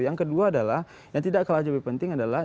yang kedua adalah yang tidak kalah lebih penting adalah